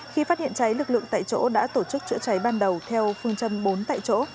khi phát hiện cháy lực lượng tại chỗ đã tổ chức chữa cháy ban đầu theo phương châm bốn tại chỗ